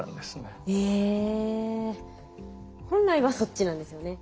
本来はそっちなんですよね。